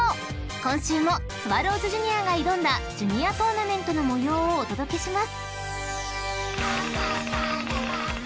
今週もスワローズジュニアが挑んだジュニアトーナメントの模様をお届けします］